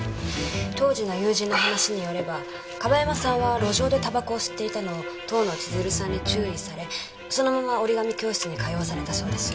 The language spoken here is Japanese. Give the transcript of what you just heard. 当時の友人の話によれば樺山さんは路上でタバコを吸っていたのを遠野千鶴さんに注意されそのまま折り紙教室に通わされたそうです。